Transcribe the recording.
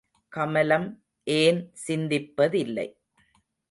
கமலம் ஏன் சிந்திப்பதில்லை.